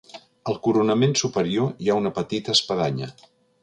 Al coronament superior hi ha una petita espadanya.